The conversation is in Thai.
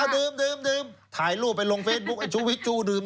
ดื่มถ่ายรูปไปลงเฟซบุ๊คไอ้ชูวิทชูดื่ม